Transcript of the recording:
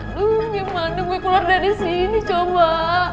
aduh gimana gue keluar dari sini coba